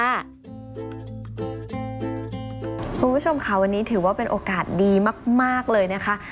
คุณผู้ชมค่ะวันนี้ถือว่าเป็นโอกาสดีมากเลยนะคะ